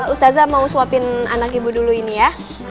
ustazah mau suapin anak ibu dulu ini ya